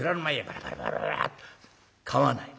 「構わない。